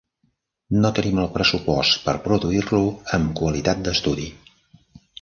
No tenim el pressupost per produir-lo amb qualitat d'estudi.